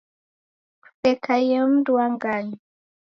Kusekaie mundu wa nganyi